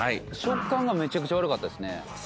食感がめちゃくちゃ悪かったですね。